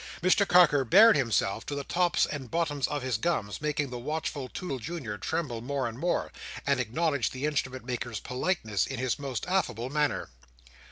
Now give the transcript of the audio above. Mr Carker bared himself to the tops and bottoms of his gums: making the watchful Toodle Junior tremble more and more: and acknowledged the Instrument maker's politeness in his most affable manner.